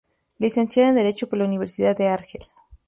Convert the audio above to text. Licenciada en Derecho por la Universidad de Argel.